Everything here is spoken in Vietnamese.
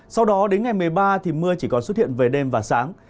sau đó đến ngày một mươi ba thì mưa chỉ còn xuất hiện về đêm và sáng